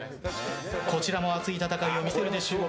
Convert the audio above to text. こちらも熱い戦いを見せるでしょうか。